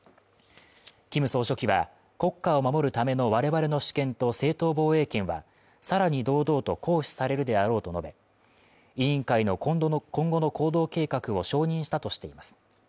キム総書記は国家を守るための我々の主権と正当防衛圏はさらに堂々と行使されるであろうと述べ、委員会の今後の行動計画を承認したとしています。